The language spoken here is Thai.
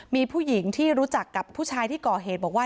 มีผู้หญิงที่รู้จักกับผู้ชายที่ก่อเหตุบอกว่า